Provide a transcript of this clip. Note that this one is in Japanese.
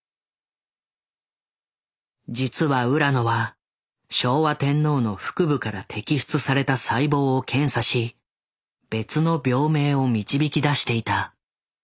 実は浦野は昭和天皇の腹部から摘出された細胞を検査し別の病名を導き出していた。